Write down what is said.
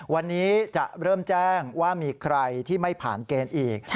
วันนี้จะเริ่มแจ้งว่ามีใครที่ไม่ผ่านเกณฑ์อีก